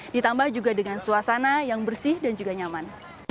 ditambah juga dengan suasana yang bersih dan juga nyaman